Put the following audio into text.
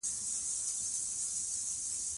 نفت د افغانستان د اقتصاد برخه ده.